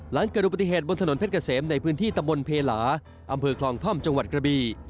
หลังเกิดอุบัติเหตุบนถนนเพชรเกษมในพื้นที่ตำบลเพลาอำเภอคลองท่อมจังหวัดกระบี